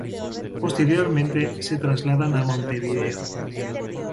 Posteriormente se trasladan a Montevideo.